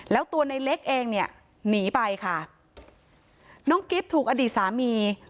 แล้วตัวในเล็กเองเนี่ยหนีไปค่ะน้องกิ๊บถูกอดีตสามี